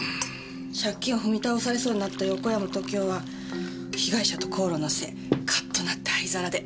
借金を踏み倒されそうになった横山時雄は被害者と口論の末カッとなって灰皿で。